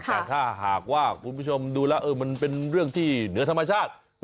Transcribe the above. แต่ถ้าหากว่าคุณผู้ชมดูแล้วมันเป็นเรื่องที่เหนือธรรมชาติ